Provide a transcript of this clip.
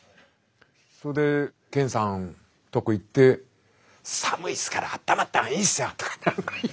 それで健さんとこ行って「寒いっすからあったまった方がいいっすよ」とか。